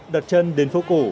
đặt chân đến phố cổ